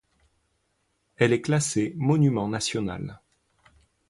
Elle est classée Monument national.